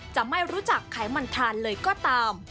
จะไม่รู้จักไขมันทานเลยก็ตาม